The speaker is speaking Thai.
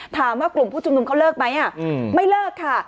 ถามว่ากลุ่มผู้ชุมนุมเขาเลิกไหมไม่เลิกค่ะ